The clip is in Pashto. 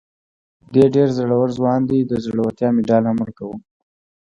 دی ډېر زړور ځوان دی، د زړورتیا مېډال هم ورکوي.